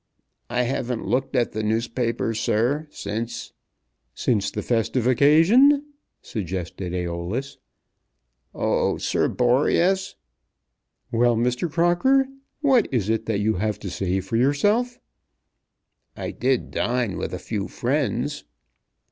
"I haven't looked at the newspaper, sir, since " "Since the festive occasion," suggested Æolus. "Oh, Sir Boreas " "Well, Mr. Crocker; what is it that you have to say for yourself?" "I did dine with a few friends."